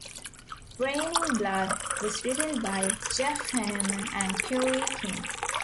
"Raining Blood" was written by Jeff Hanneman and Kerry King.